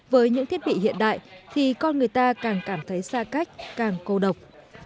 với những thiết bị hiện đại thì con người ta càng cảm thấy xa cách càng cô độc